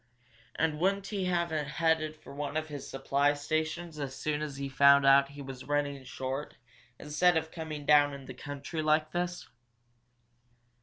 And wouldn't he have headed for one of his supply stations as soon as he found out he was running short, instead of coming down in country like this?"